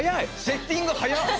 セッティング早っ！